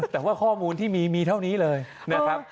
แต่ว่าข้อมูลที่มีมีเท่านี้เลยนะครับ